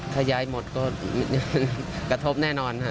ถ้าย้ายหมดก็กระทบแน่นอนค่ะ